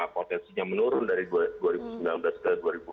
potensinya menurun dari dua ribu sembilan belas ke dua ribu dua puluh